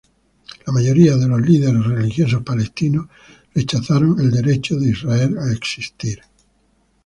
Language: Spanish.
La mayoría de los líderes religiosos palestinos rechazaron el derecho de Israel a existir.